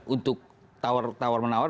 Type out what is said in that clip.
untuk tawar tawar menawar